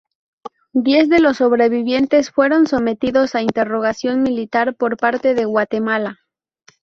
Diez de los sobrevivientes fueron sometidos a interrogación militar por parte de Guatemala.